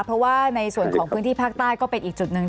เพราะว่าในส่วนของพื้นที่ภาคใต้ก็เป็นอีกจุดหนึ่ง